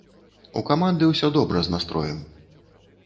У каманды ўсё добра з настроем.